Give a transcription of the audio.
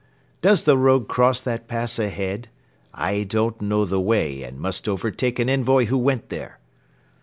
Does the road cross that pass ahead? I don't know the way and must overtake an envoy who went there."